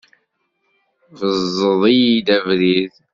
Beẓẓed-iyi abrid!